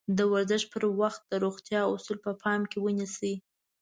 د ورزش پر وخت د روغتيا اَصول په پام کې ونيسئ.